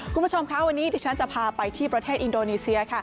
คุณผู้ชมคะวันนี้ที่ฉันจะพาไปที่ประเทศอินโดนีเซีย